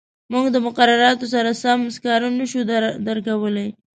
موږ د مقرراتو سره سم سکاره نه شو درکولای.